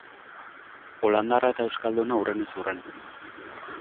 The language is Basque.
Holandarra eta euskalduna hurrenez hurren.